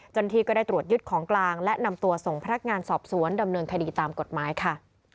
เจ้าหน้าที่ก็ได้ตรวจยึดของกลางและนำตัวส่งพนักงานสอบสวนดำเนินคดีตามกฎหมายค่ะ